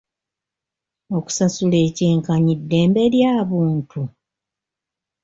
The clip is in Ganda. Okusasula ekyenkanyi ddembe lya buntu?